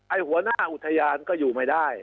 หัวหน้าอุทยานก็อยู่ไม่ได้